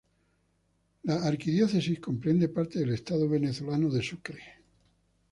La arquidiócesis comprende parte del estado venezolano de Sucre.